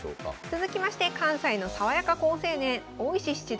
続きまして関西の爽やか好青年大石七段。